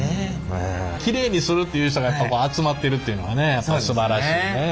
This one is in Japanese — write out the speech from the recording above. キレイにするっていう人がやっぱこう集まってるっていうのがねすばらしいね。